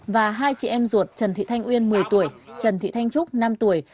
và hai chị em ruột trần thị thanh uyên một mươi tuổi trần thị thanh trúc năm tuổi